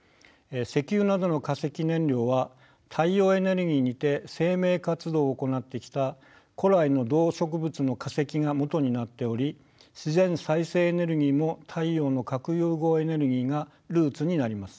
石油などの化石燃料は太陽エネルギーにて生命活動を行ってきた古来の動植物の化石が元になっており自然再生エネルギーも太陽の核融合エネルギーがルーツになります。